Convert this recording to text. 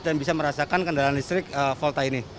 dan bisa merasakan kendaraan listrik volta ini